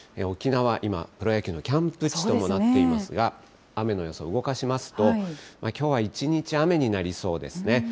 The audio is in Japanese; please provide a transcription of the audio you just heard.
沖縄、今、プロ野球のキャンプ地ともなっていますが、雨の予想、動かしますと、きょうは一日雨になりそうですね。